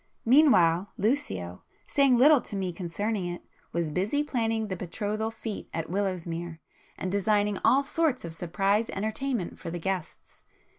Meanwhile, Lucio, saying little to me concerning it, was busy planning the betrothal fête at Willowsmere, and designing all sorts of 'surprise' entertainments for the guests.